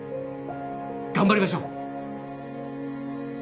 頑張りましょう！